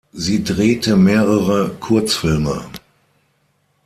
Sie drehte mehrere Kurzfilme.